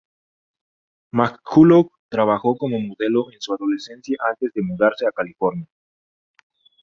McCullough trabajó como modelo en su adolescencia antes de mudarse a California.